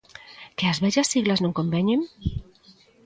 Que as vellas siglas non conveñen?